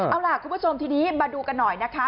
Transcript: เอาล่ะคุณผู้ชมทีนี้มาดูกันหน่อยนะคะ